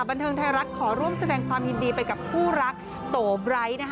บันเทิงไทยรัฐขอร่วมแสดงความยินดีไปกับคู่รักโตไบร์ทนะคะ